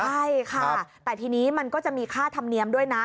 ใช่ค่ะแต่ทีนี้มันก็จะมีค่าธรรมเนียมด้วยนะ